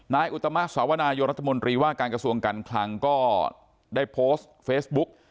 อุตมะสาวนายนรัฐมนตรีว่าการกระทรวงการคลังก็ได้โพสต์เฟซบุ๊ก